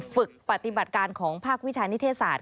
ฝึกปฏิบัติการของภาควิชานิเทศศาสต